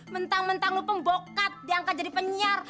mentang mentang lu pembokat diangkat jadi penyiar